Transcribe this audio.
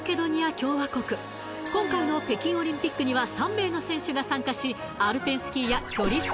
今回の北京オリンピックには３名の選手が参加しアルペンスキーや距離